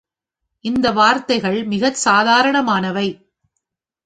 இந்த வார்த்தைகள் மிகச் சாதாரணமானவை.